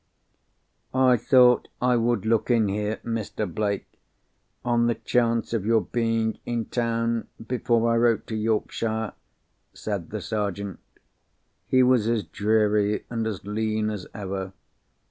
"I thought I would look in here, Mr. Blake, on the chance of your being in town, before I wrote to Yorkshire," said the Sergeant. He was as dreary and as lean as ever.